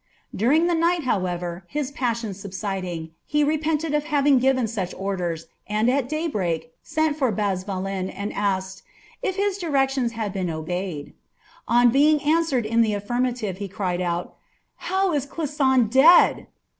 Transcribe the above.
'^ During the night, however, hia passion subsiding^ he repented of having given such orders, and at daybreak sent for Bazvalen, and asked ^^ if his directions had been obeyed P'^ ' On being answered in the affirmative, he cried out, ^ How ! it Clisson dead